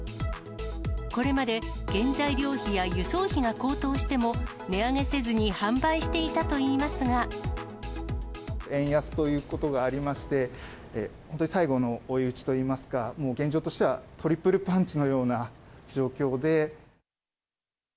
これまで原材料費や輸送費が高騰しても値上げせずに販売していた円安ということがありまして、本当に最後の追い打ちといいますか、もう現状としてはトリプルパンチのような状況で。